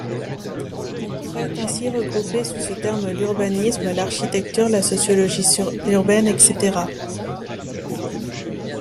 On pourrait ainsi regrouper sous ce terme l'urbanisme, l'architecture, la sociologie urbaine, etc.